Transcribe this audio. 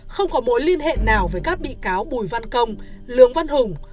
không có mối liên hệ nào với các bị cáo bùi văn công lường văn hùng